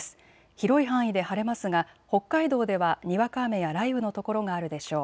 広い範囲で晴れますが北海道ではにわか雨や雷雨の所があるでしょう。